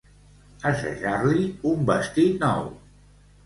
Assajar-li un vestit nou.